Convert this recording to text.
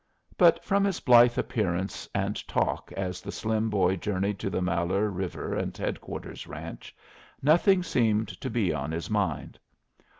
But from his blithe appearance and talk as the slim boy journeyed to the Malheur River and Headquarter ranch, nothing seemed to be on his mind.